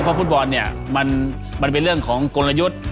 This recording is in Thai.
เพราะฟุตบอลเนี่ยมันเป็นเรื่องของกลยุทธ์